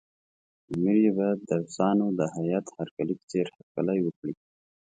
امیر یې باید د روسانو د هیات هرکلي په څېر هرکلی وکړي.